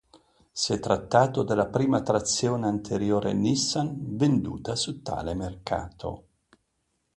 Si è trattato della prima trazione anteriore Nissan venduta su tale mercato.